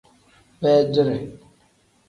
Beedire.